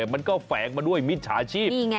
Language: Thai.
มันก็แฝงมาด้วยมิจฉาชีพ